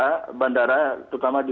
terutama di bandara igusti